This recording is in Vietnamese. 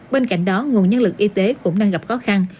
bên cạnh đó nguồn nhân lực y tế cũng đang gặp khó khăn